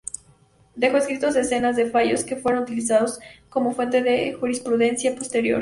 Dejó escritos decenas de fallos que fueron utilizados como fuente de jurisprudencia posterior.